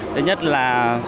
thứ nhất là